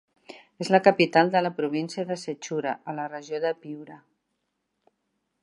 És la capital de la província de Sechura a la regió de Piura.